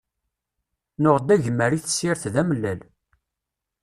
Nuɣ-d agmer i tessirt d amellal.